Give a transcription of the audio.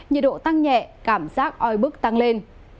nhiệt độ tăng nhẹ cảm giác oi bức tăng lên